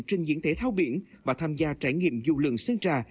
trên diễn thể thao biển và tham gia trải nghiệm du lượng sân trà